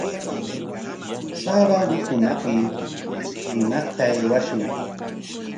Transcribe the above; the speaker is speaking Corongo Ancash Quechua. Sabado hunaqmi Limaqta aywashun.